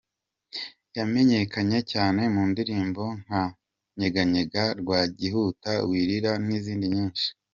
Yamenyekanye cyane mu ndirimbo nka Nyeganyega, Rwagihuta, Wirira n’izindi nyinshi.